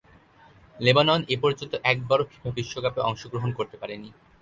Lebanon এপর্যন্ত একবারও FIFA বিশ্বকাপে অংশগ্রহণ করতে পারেনি।